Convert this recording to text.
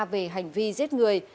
về hành vi giết người